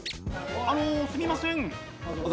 あのすみません。